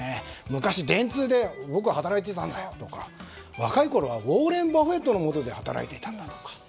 昔、電通で僕は働いてたんだよとか若いころはウォーレン・バフェットのもとで働いていたんだとか